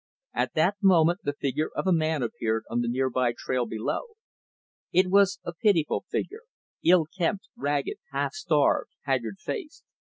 At that moment, the figure of a man appeared on the near by trail below. It was a pitiful figure ill kempt ragged, half starved, haggard faced.